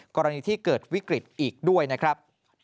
กรณีที่เกิดวิกฤตอีกด้วยนะครับ